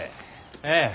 ええ。